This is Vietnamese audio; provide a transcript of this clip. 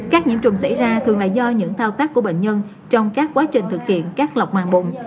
các nhiễm trùng xảy ra thường là do những thao tác của bệnh nhân trong các quá trình thực hiện các lọc màng bụng